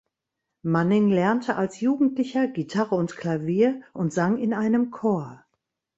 Manning lernte als Jugendlicher Gitarre und Klavier und sang in einem Chor.